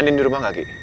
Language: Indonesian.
andin dirumah gak ki